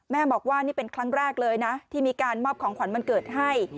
บอกว่านี่เป็นครั้งแรกเลยนะที่มีการมอบของขวัญวันเกิดให้